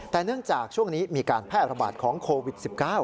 แต่เนื่องจากช่วงนี้มีการแพร่ระบาดของโควิด๑๙